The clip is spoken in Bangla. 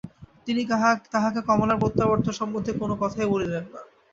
তিনি তাহাকে কমলার প্রত্যাবর্তন সম্বন্ধে কোনো কথাই বলিলেন না।